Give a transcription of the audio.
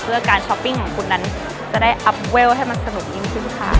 เพื่อการช้อปปิ้งของคุณนั้นจะได้อัพเวลให้มันสนุกยิ่งขึ้นค่ะ